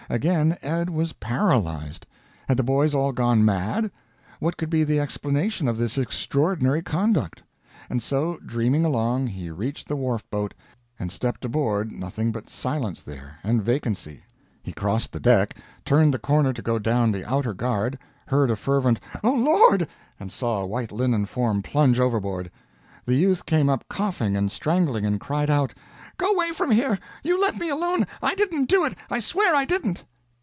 Again Ed was paralyzed. Had the boys all gone mad? What could be the explanation of this extraordinary conduct? And so, dreaming along, he reached the wharf boat, and stepped aboard nothing but silence there, and vacancy. He crossed the deck, turned the corner to go down the outer guard, heard a fervent "O lord!" and saw a white linen form plunge overboard. The youth came up coughing and strangling, and cried out "Go 'way from here! You let me alone. I didn't do it, I swear I didn't!"